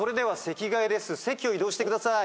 席を移動してください。